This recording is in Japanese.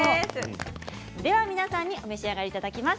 では皆さんにお召し上がりいただきます。